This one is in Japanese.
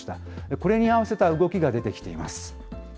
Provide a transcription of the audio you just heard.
これに合わせた動きが出てきています。